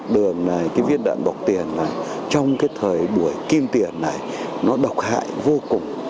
đường này cái viên đạn bọc tiền này trong cái thời buổi kim tiền này nó độc hại vô cùng